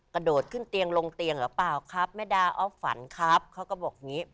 กระโดดขึ้นเตียงลงเตียงหรือเปล่าครับแม่ดาออฟฝันครับเขาก็บอกอย่างงี้